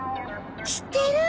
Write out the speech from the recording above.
知ってる！